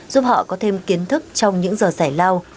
giúp họ có thêm kiến thức trong những giờ sáng